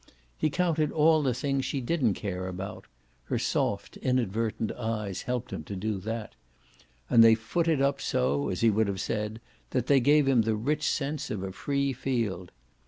He counted all the things she didn't care about her soft inadvertent eyes helped him to do that; and they footed up so, as he would have said, that they gave him the rich sense of a free field.